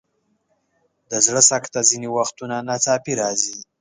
د زړه سکته ځینې وختونه ناڅاپي راځي.